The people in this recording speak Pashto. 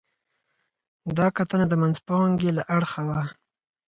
دا کتنه د منځپانګې له اړخه وه.